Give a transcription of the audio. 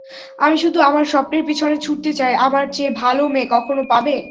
আমি শুধু আমার স্বপ্নের পিছনে ছুটতে চাই আমার চেয়ে ভাল মেয়ে কখনো পাবে?